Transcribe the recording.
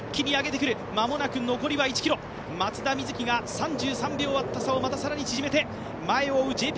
間もなく残りは１ｋｍ、松田瑞生が３３秒あった差を更に縮めて、前を追うＪＰ